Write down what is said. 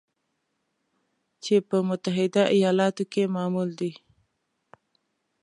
چې په متحده ایالاتو کې معمول دی